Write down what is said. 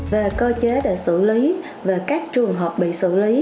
về cơ chế để xử lý về các trường hợp bị xử lý